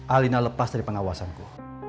alina lepas dari pengawasanku